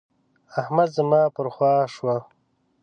احمد زما پر خوا شو.